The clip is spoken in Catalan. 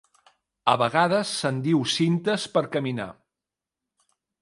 A vegades se'n diu cintes per caminar.